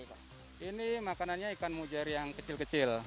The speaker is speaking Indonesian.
ini makanannya ikan mujair yang kecil kecil